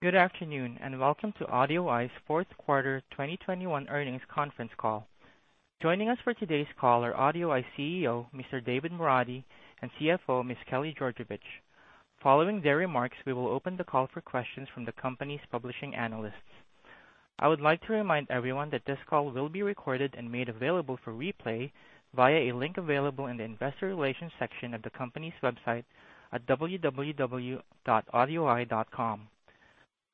Good afternoon, and welcome to AudioEye's fourth quarter 2021 earnings conference call. Joining us for today's call are AudioEye CEO, Mr. David Moradi, and CFO, Ms. Kelly Georgevich. Following their remarks, we will open the call for questions from the company's participating analysts. I would like to remind everyone that this call will be recorded and made available for replay via a link available in the investor relations section of the company's website at www.audioeye.com.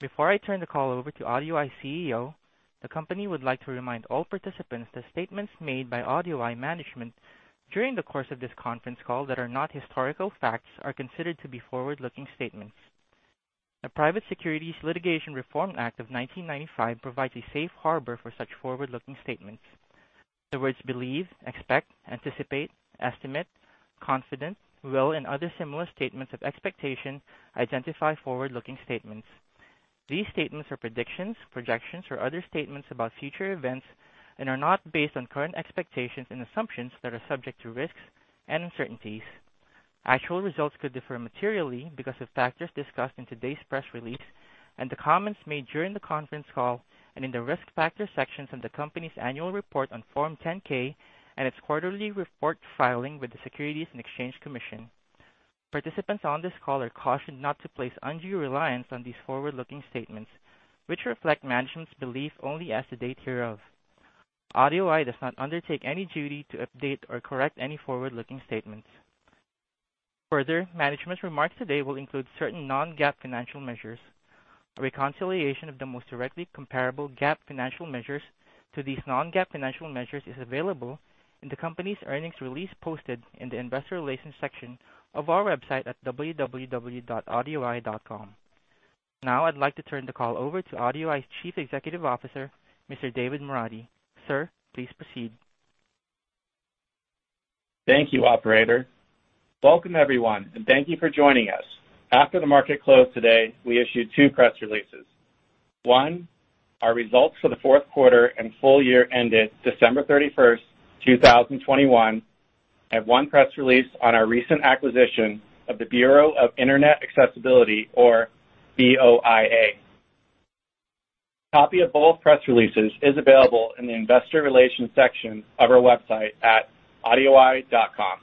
Before I turn the call over to AudioEye CEO, the company would like to remind all participants that statements made by AudioEye management during the course of this conference call that are not historical facts are considered to be forward-looking statements. The Private Securities Litigation Reform Act of 1995 provides a safe harbor for such forward-looking statements. The words believe, expect, anticipate, estimate, confident, will, and other similar statements of expectation identify forward-looking statements. These statements are predictions, projections, or other statements about future events and are not based on current expectations and assumptions that are subject to risks and uncertainties. Actual results could differ materially because of factors discussed in today's press release and the comments made during the conference call and in the Risk Factors sections of the company's annual report on Form 10-K and its quarterly report filing with the Securities and Exchange Commission. Participants on this call are cautioned not to place undue reliance on these forward-looking statements, which reflect management's belief only as of the date hereof. AudioEye does not undertake any duty to update or correct any forward-looking statements. Further, management's remarks today will include certain non-GAAP financial measures. A reconciliation of the most directly comparable GAAP financial measures to these non-GAAP financial measures is available in the company's earnings release posted in the investor relations section of our website at www.audioeye.com. Now I'd like to turn the call over to AudioEye's Chief Executive Officer, Mr. David Moradi. Sir, please proceed. Thank you, operator. Welcome, everyone, and thank you for joining us. After the market closed today, we issued two press releases. One, our results for the fourth quarter and full year ended December 31, 2021, and one press release on our recent acquisition of the Bureau of Internet Accessibility or BoIA. A copy of both press releases is available in the investor relations section of our website at audioeye.com.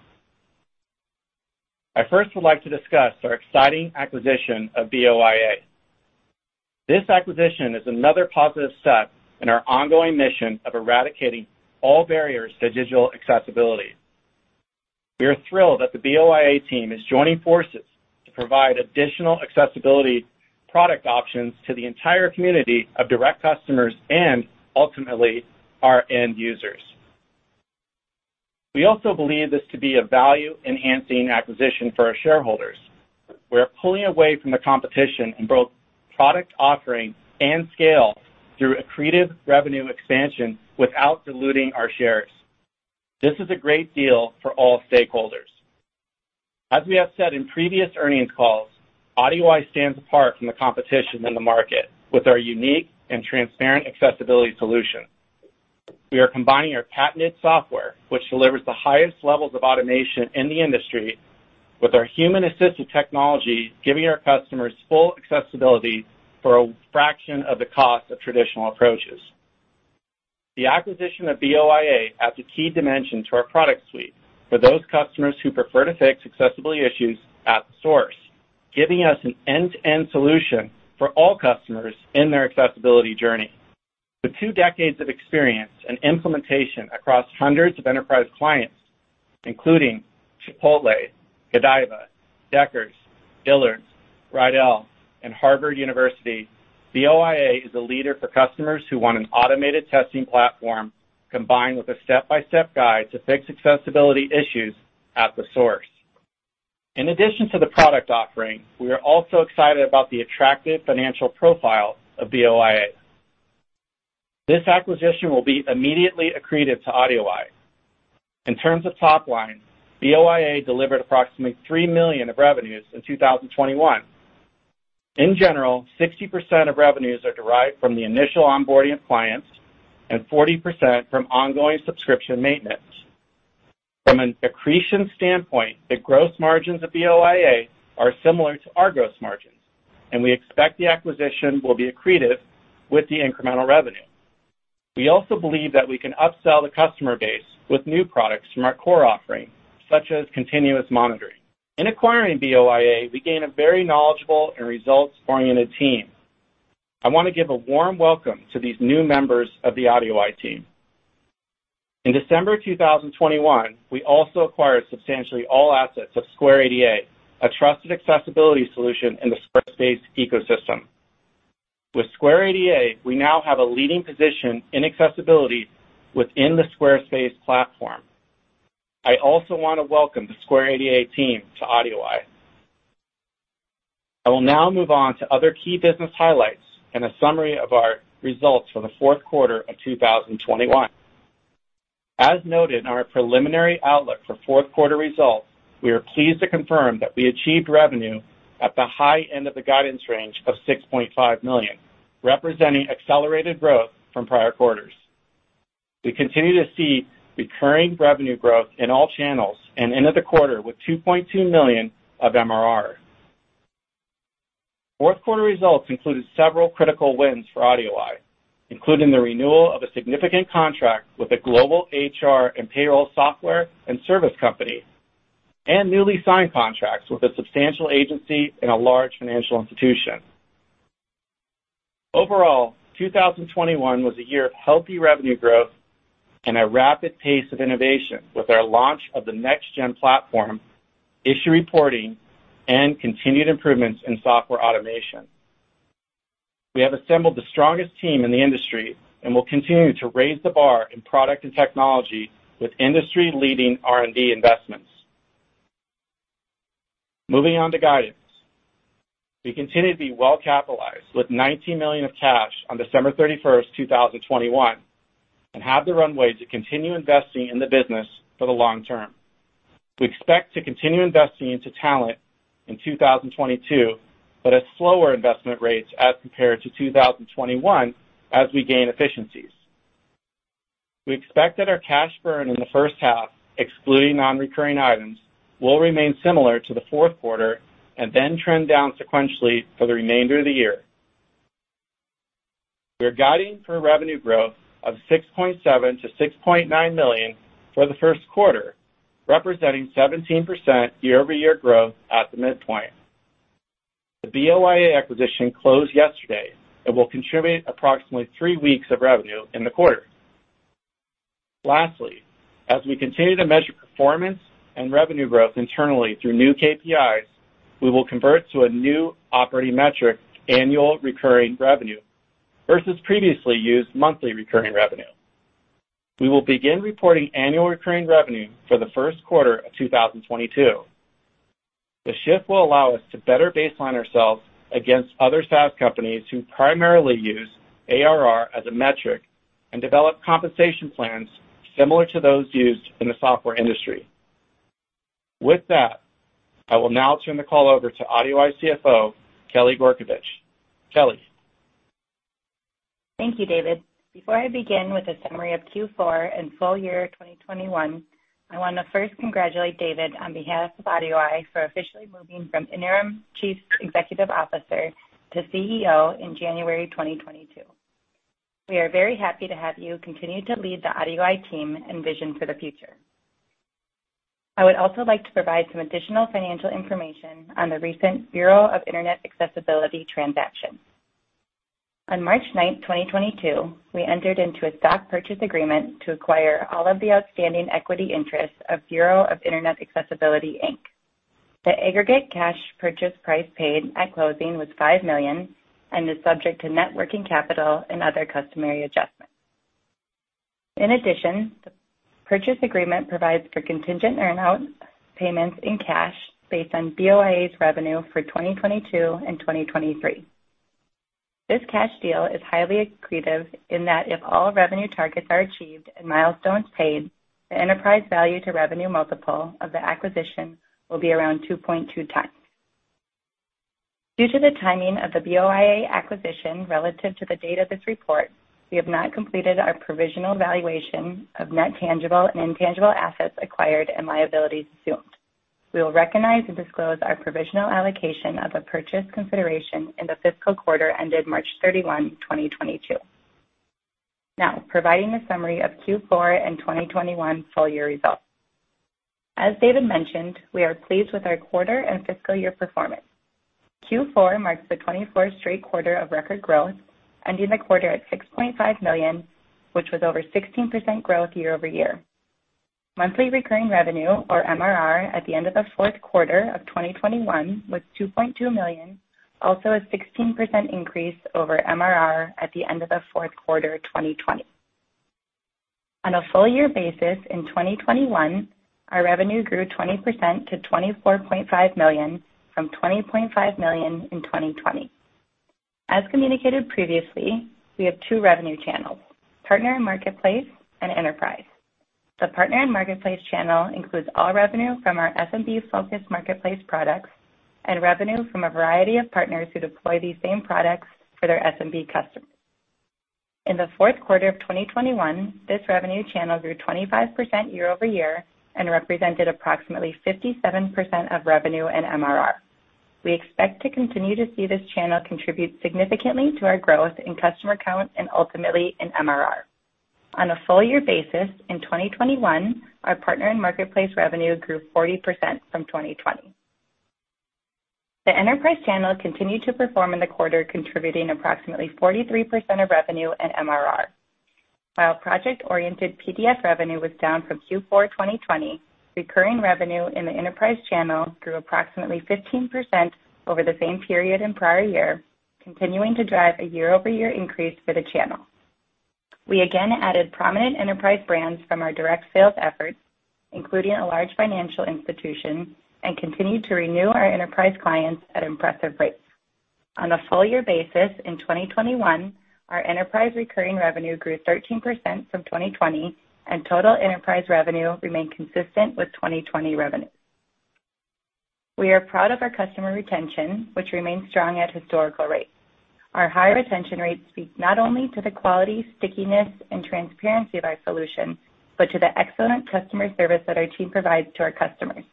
I first would like to discuss our exciting acquisition of BoIA. This acquisition is another positive step in our ongoing mission of eradicating all barriers to digital accessibility. We are thrilled that the BoIA team is joining forces to provide additional accessibility product options to the entire community of direct customers and ultimately our end users. We also believe this to be a value-enhancing acquisition for our shareholders. We are pulling away from the competition in both product offering and scale through accretive revenue expansion without diluting our shares. This is a great deal for all stakeholders. As we have said in previous earnings calls, AudioEye stands apart from the competition in the market with our unique and transparent accessibility solution. We are combining our patented software, which delivers the highest levels of automation in the industry, with our human-assisted technology, giving our customers full accessibility for a fraction of the cost of traditional approaches. The acquisition of BoIA adds a key dimension to our product suite for those customers who prefer to fix accessibility issues at the source, giving us an end-to-end solution for all customers in their accessibility journey. With two decades of experience and implementation across hundreds of enterprise clients, including Chipotle, Godiva, Deckers, Dillard's, Rydell, and Harvard University, BoIA is a leader for customers who want an automated testing platform combined with a step-by-step guide to fix accessibility issues at the source. In addition to the product offering, we are also excited about the attractive financial profile of BoIA. This acquisition will be immediately accretive to AudioEye. In terms of top line, BoIA delivered approximately $3 million in revenues in 2021. In general, 60% of revenues are derived from the initial onboarding of clients and 40% from ongoing subscription maintenance. From an accretion standpoint, the gross margins of BoIA are similar to our gross margins, and we expect the acquisition will be accretive with the incremental revenue. We also believe that we can upsell the customer base with new products from our core offering, such as continuous monitoring. In acquiring BoIA, we gain a very knowledgeable and results-oriented team. I wanna give a warm welcome to these new members of the AudioEye team. In December 2021, we also acquired substantially all assets of Square ADA, a trusted accessibility solution in the Squarespace ecosystem. With Square ADA, we now have a leading position in accessibility within the Squarespace platform. I also wanna welcome the Square ADA team to AudioEye. I will now move on to other key business highlights and a summary of our results for the fourth quarter of 2021. As noted in our preliminary outlook for fourth quarter results, we are pleased to confirm that we achieved revenue at the high end of the guidance range of $6.5 million, representing accelerated growth from prior quarters. We continue to see recurring revenue growth in all channels and ended the quarter with $2.2 million of MRR. Fourth quarter results included several critical wins for AudioEye, including the renewal of a significant contract with a global HR and payroll software and service company, and newly signed contracts with a substantial agency and a large financial institution. Overall, 2021 was a year of healthy revenue growth and a rapid pace of innovation with our launch of the next gen platform, issue reporting, and continued improvements in software automation. We have assembled the strongest team in the industry, and we'll continue to raise the bar in product and technology with industry-leading R&D investments. Moving on to guidance. We continue to be well-capitalized with $19 million in cash on December 31, 2021, and have the runway to continue investing in the business for the long term. We expect to continue investing into talent in 2022, but at slower investment rates as compared to 2021 as we gain efficiencies. We expect that our cash burn in the first half, excluding non-recurring items, will remain similar to the fourth quarter and then trend down sequentially for the remainder of the year. We are guiding for revenue growth of $6.7 million-$6.9 million for the first quarter, representing 17% year-over-year growth at the midpoint. The BoIA acquisition closed yesterday and will contribute approximately three weeks of revenue in the quarter. Lastly, as we continue to measure performance and revenue growth internally through new KPIs, we will convert to a new operating metric, annual recurring revenue, versus previously used monthly recurring revenue. We will begin reporting annual recurring revenue for the first quarter of 2022. The shift will allow us to better baseline ourselves against other SaaS companies who primarily use ARR as a metric and develop compensation plans similar to those used in the software industry. With that, I will now turn the call over to AudioEye CFO, Kelly Georgevich. Kelly. Thank you, David. Before I begin with a summary of Q4 and full year 2021, I want to first congratulate David on behalf of AudioEye for officially moving from interim Chief Executive Officer to CEO in January 2022. We are very happy to have you continue to lead the AudioEye team and vision for the future. I would also like to provide some additional financial information on the recent Bureau of Internet Accessibility transaction. On March 9, 2022, we entered into a stock purchase agreement to acquire all of the outstanding equity interests of Bureau of Internet Accessibility, Inc. The aggregate cash purchase price paid at closing was $5 million and is subject to net working capital and other customary adjustments. In addition, the purchase agreement provides for contingent earn-out payments in cash based on BoIA's revenue for 2022 and 2023. This cash deal is highly accretive in that if all revenue targets are achieved and milestones paid, the enterprise value to revenue multiple of the acquisition will be around 2.2x. Due to the timing of the BoIA acquisition relative to the date of this report, we have not completed our provisional valuation of net tangible and intangible assets acquired and liabilities assumed. We will recognize and disclose our provisional allocation of the purchase consideration in the fiscal quarter ended March 31, 2022. Now, providing a summary of Q4 and 2021 full year results. As David mentioned, we are pleased with our quarter and fiscal year performance. Q4 marks the 24th straight quarter of record growth, ending the quarter at $6.5 million, which was over 16% growth year-over-year. Monthly recurring revenue, or MRR, at the end of the fourth quarter of 2021 was $2.2 million, also a 16% increase over MRR at the end of the fourth quarter of 2020. On a full year basis in 2021, our revenue grew 20% to $24.5 million from $20.5 million in 2020. As communicated previously, we have two revenue channels: partner and marketplace and enterprise. The partner and marketplace channel includes all revenue from our SMB-focused marketplace products and revenue from a variety of partners who deploy these same products for their SMB customers. In the fourth quarter of 2021, this revenue channel grew 25% year-over-year and represented approximately 57% of revenue and MRR. We expect to continue to see this channel contribute significantly to our growth in customer count and ultimately in MRR. On a full year basis in 2021, our partner and marketplace revenue grew 40% from 2020. The enterprise channel continued to perform in the quarter, contributing approximately 43% of revenue and MRR. While project-oriented PDF revenue was down from Q4 2020, recurring revenue in the enterprise channel grew approximately 15% over the same period in prior year, continuing to drive a year-over-year increase for the channel. We again added prominent enterprise brands from our direct sales efforts, including a large financial institution, and continued to renew our enterprise clients at impressive rates. On a full year basis in 2021, our enterprise recurring revenue grew 13% from 2020, and total enterprise revenue remained consistent with 2020 revenue. We are proud of our customer retention, which remains strong at historical rates. Our high retention rates speak not only to the quality, stickiness, and transparency of our solution, but to the excellent customer service that our team provides to our customers.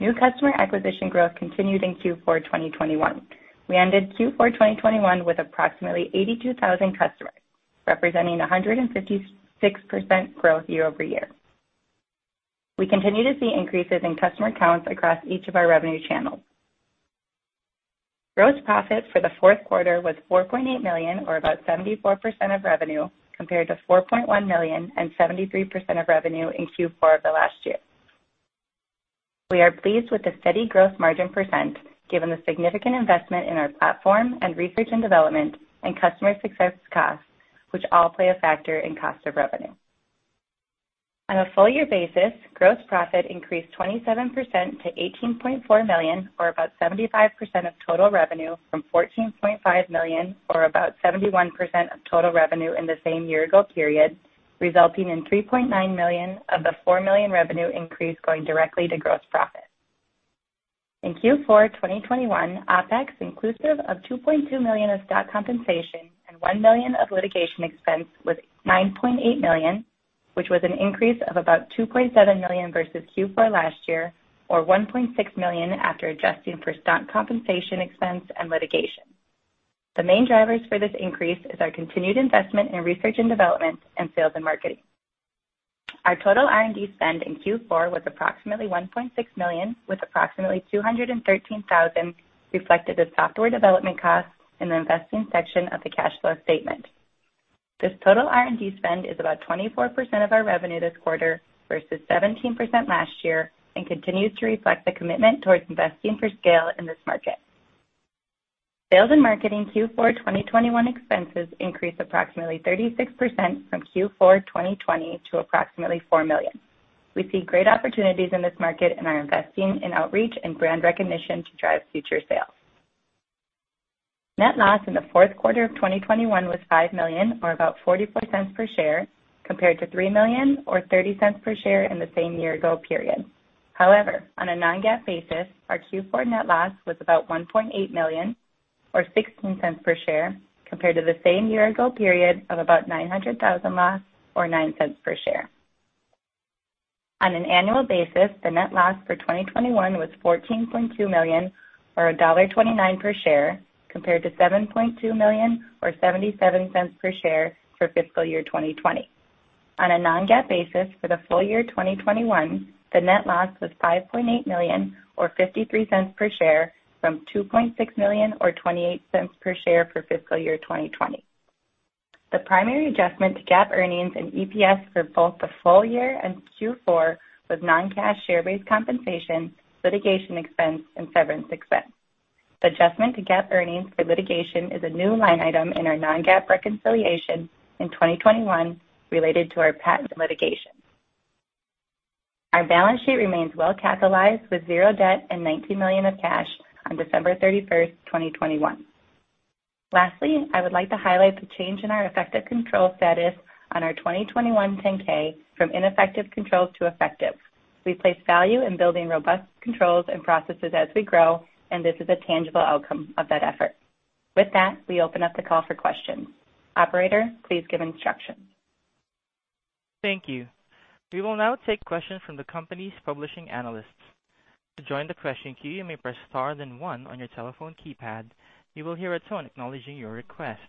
New customer acquisition growth continued in Q4 2021. We ended Q4 2021 with approximately 82,000 customers, representing 156% growth year-over-year. We continue to see increases in customer counts across each of our revenue channels. Gross profit for the fourth quarter was $4.8 million or about 74% of revenue compared to $4.1 million and 73% of revenue in Q4 of the last year. We are pleased with the steady gross margin percent given the significant investment in our platform and research and development and customer success costs, which all play a factor in cost of revenue. On a full year basis, gross profit increased 27% to $18.4 million or about 75% of total revenue from $14.5 million or about 71% of total revenue in the same year ago period, resulting in $3.9 million of the $4 million revenue increase going directly to gross profit. In Q4 2021, OpEx inclusive of $2.2 million of stock compensation and $1 million of litigation expense was $9.8 million, which was an increase of about $2.7 million versus Q4 last year or $1.6 million after adjusting for stock compensation expense and litigation. The main drivers for this increase is our continued investment in research and development and sales and marketing. Our total R&D spend in Q4 was approximately $1.6 million, with approximately $213,000 reflected as software development costs in the investing section of the cash flow statement. This total R&D spend is about 24% of our revenue this quarter versus 17% last year, and continues to reflect the commitment towards investing for scale in this market. Sales and marketing Q4 2021 expenses increased approximately 36% from Q4 2020 to approximately $4 million. We see great opportunities in this market and are investing in outreach and brand recognition to drive future sales. Net loss in the fourth quarter of 2021 was $5 million or about $0.44 per share, compared to $3 million or $0.30 per share in the same year ago period. However, on a non-GAAP basis, our Q4 net loss was about $1.8 million or $0.16 per share, compared to the same year ago period of about $900,000 loss or $0.9 per share. On an annual basis, the net loss for 2021 was $14.2 million or $1.29 per share, compared to $7.2 million or $0.77 per share for fiscal year 2020. On a non-GAAP basis for the full year 2021, the net loss was $5.8 million or $0.53 per share from $2.6 million or $0.28 per share for fiscal year 2020. The primary adjustment to GAAP earnings and EPS for both the full year and Q4 was non-cash share-based compensation, litigation expense, and severance expense. The adjustment to GAAP earnings for litigation is a new line item in our non-GAAP reconciliation in 2021 related to our patent litigation. Our balance sheet remains well-capitalized with zero debt and $19 million of cash on December 31, 2021. Lastly, I would like to highlight the change in our effective control status on our 2021 10-K from ineffective controls to effective. We place value in building robust controls and processes as we grow, and this is a tangible outcome of that effort. With that, we open up the call for questions. Operator, please give instructions. Thank you. We will now take questions from the company's participating analysts. To join the question queue, you may press star then one on your telephone keypad. You will hear a tone acknowledging your request.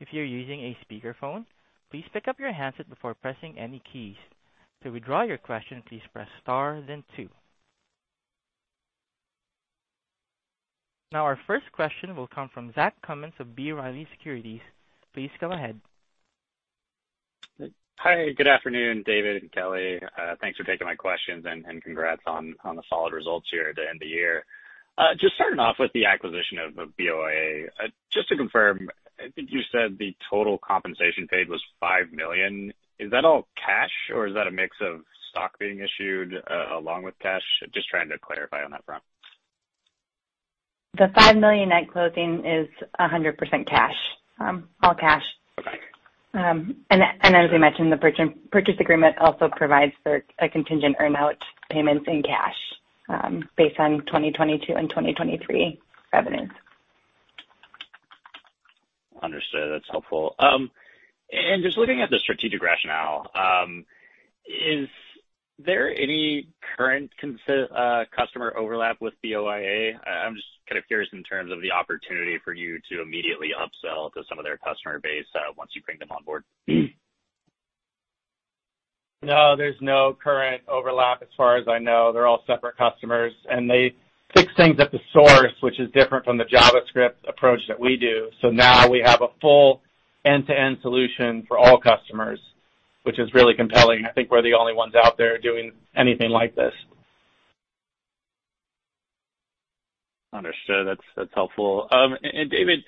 If you're using a speakerphone, please pick up your handset before pressing any keys. To withdraw your question, please press star then two. Now, our first question will come from Zach Cummins of B. Riley Securities. Please go ahead. Hi, good afternoon, David and Kelly. Thanks for taking my questions and congrats on the solid results here at the end of the year. Just starting off with the acquisition of BoIA. Just to confirm, I think you said the total compensation paid was $5 million. Is that all cash or is that a mix of stock being issued along with cash? Just trying to clarify on that front. The $5 million at closing is 100% cash, all cash. Okay. As we mentioned, the purchase agreement also provides for a contingent earn-out payments in cash, based on 2022 and 2023 revenues. Understood. That's helpful. Just looking at the strategic rationale, is there any current customer overlap with BoIA? I'm just kind of curious in terms of the opportunity for you to immediately upsell to some of their customer base, once you bring them on board. No, there's no current overlap as far as I know. They're all separate customers, and they fix things at the source, which is different from the JavaScript approach that we do. Now we have a full end-to-end solution for all customers, which is really compelling. I think we're the only ones out there doing anything like this. Understood. That's helpful. David,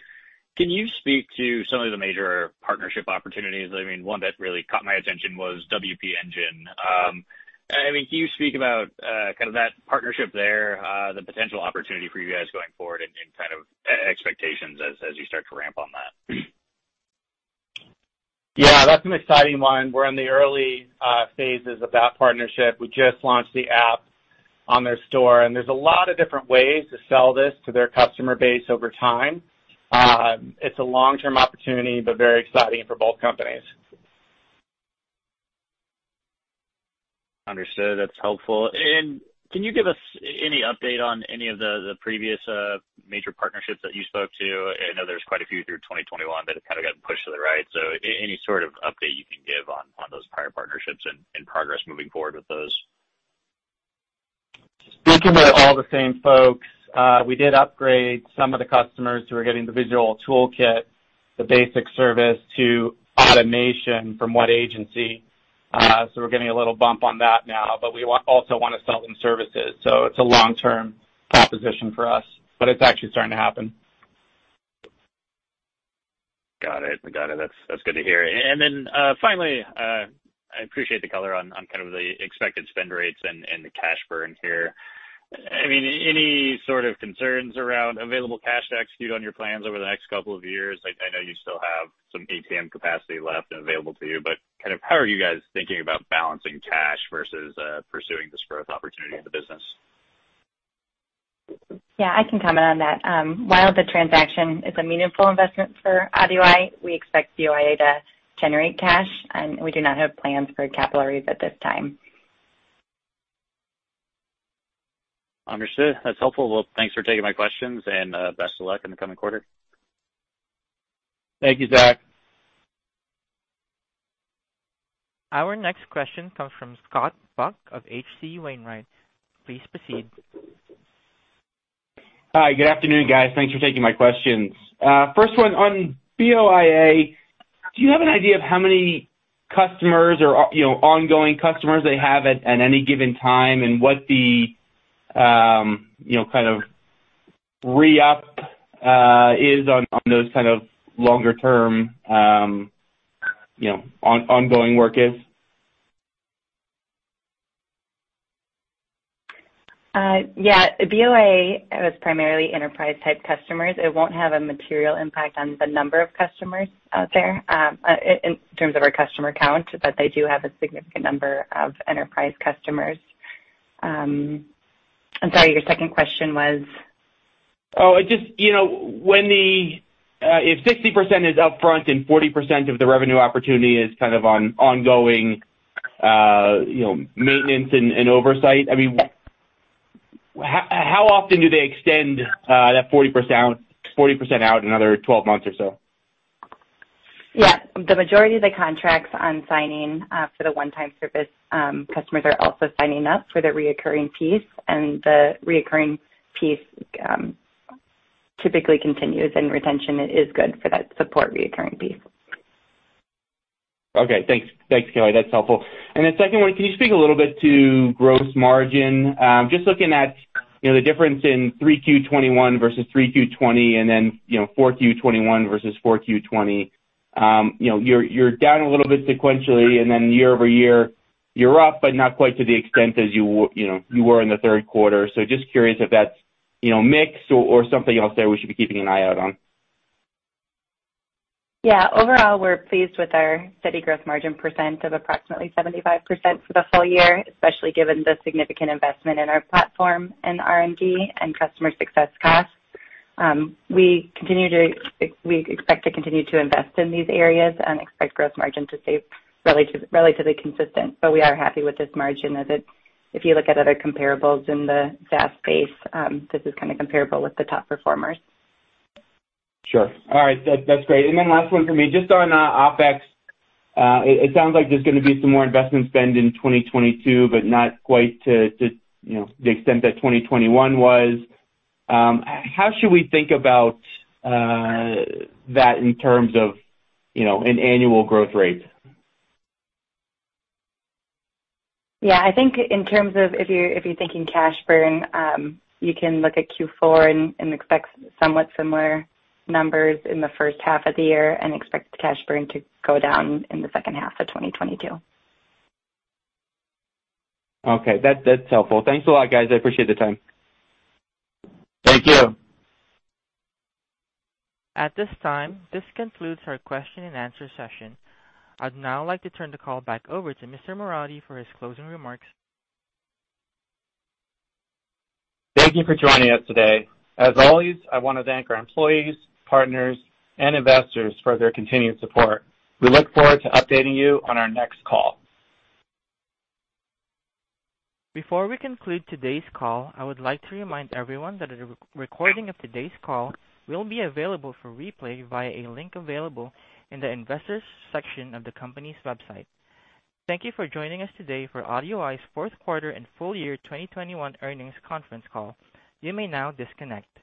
can you speak to some of the major partnership opportunities? I mean, one that really caught my attention was WP Engine. I mean, can you speak about kind of that partnership there, the potential opportunity for you guys going forward and kind of expectations as you start to ramp on that? Yeah, that's an exciting one. We're in the early phases of that partnership. We just launched the app on their store, and there's a lot of different ways to sell this to their customer base over time. It's a long-term opportunity, but very exciting for both companies. Understood. That's helpful. Can you give us any update on any of the the previous major partnerships that you spoke to? I know there's quite a few through 2021 that have kinda gotten pushed to the right. Any sort of update you can give on those prior partnerships and progress moving forward with those. Speaking with all the same folks, we did upgrade some of the customers who are getting the visual toolkit, the basic service to automation from the agency. We're getting a little bump on that now, but we also wanna sell them services. It's a long-term proposition for us, but it's actually starting to happen. Got it. That's good to hear. Then, finally, I appreciate the color on kind of the expected spend rates and the cash burn here. I mean, any sort of concerns around available cash to execute on your plans over the next couple of years? I know you still have some ATM capacity left available to you, but kind of how are you guys thinking about balancing cash versus pursuing this growth opportunity of the business? Yeah, I can comment on that. While the transaction is a meaningful investment for AudioEye, we expect BoIA to generate cash, and we do not have plans for capital raise at this time. Understood. That's helpful. Well, thanks for taking my questions, and best of luck in the coming quarter. Thank you, Zach. Our next question comes from Scott Buck of H.C. Wainwright. Please proceed. Hi. Good afternoon, guys. Thanks for taking my questions. First one, on BoIA, do you have an idea of how many customers or, you know, ongoing customers they have at any given time and what the, you know, kind of re-up is on those kind of longer term, you know, ongoing work is? BoIA is primarily enterprise-type customers. It won't have a material impact on the number of customers out there, in terms of our customer count, but they do have a significant number of enterprise customers. I'm sorry, your second question was? If 60% is upfront and 40% of the revenue opportunity is kind of ongoing, you know, maintenance and oversight, I mean, how often do they extend that 40% out another 12 months or so? Yeah. The majority of the contracts on signing for the one-time service, customers are also signing up for the recurring piece, and the recurring piece typically continues, and retention is good for that support recurring piece. Okay. Thanks. Thanks, Kelly. That's helpful. The second one, can you speak a little bit to gross margin? Just looking at, you know, the difference in 3Q 2021 versus 3Q 2020 and then, you know, 4Q 2021 versus 4Q 2020. You know, you're down a little bit sequentially, and then year-over-year, you're up, but not quite to the extent as you know, you were in the third quarter. Just curious if that's, you know, mix or something else there we should be keeping an eye out on. Yeah. Overall, we're pleased with our steady gross margin percent of approximately 75% for the full year, especially given the significant investment in our platform and R&D and customer success costs. We expect to continue to invest in these areas and expect gross margin to stay relatively consistent. We are happy with this margin as it's. If you look at other comparables in the SaaS space, this is kinda comparable with the top performers. Sure. All right. That's great. Last one for me, just on OpEx. It sounds like there's gonna be some more investment spend in 2022, but not quite to you know the extent that 2021 was. How should we think about that in terms of you know an annual growth rate? Yeah. I think in terms of if you're thinking cash burn, you can look at Q4 and expect somewhat similar numbers in the first half of the year and expect cash burn to go down in the second half of 2022. Okay. That's helpful. Thanks a lot, guys. I appreciate the time. Thank you. At this time, this concludes our question and answer session. I'd now like to turn the call back over to Mr. Moradi for his closing remarks. Thank you for joining us today. As always, I wanna thank our employees, partners, and investors for their continued support. We look forward to updating you on our next call. Before we conclude today's call, I would like to remind everyone that a recording of today's call will be available for replay via a link available in the Investors section of the company's website. Thank you for joining us today for AudioEye's fourth quarter and full year 2021 earnings conference call. You may now disconnect.